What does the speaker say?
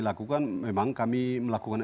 lakukan memang kami melakukan